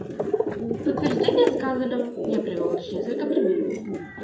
В подтверждение сказанного я привел лишь несколько примеров.